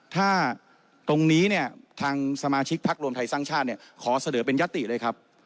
ถ้าตรงนี้ทางสมาชิกพรรครวมไทยสร้างชาติขอเสนอเป็นยัตติเลยครับ